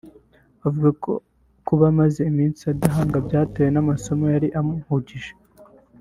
avuga ko kuba amaze igihe adahanga byatewe n’amasomo yari amuhugije